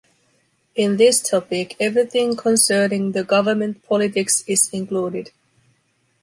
In this topic everything concerning the government politics is included.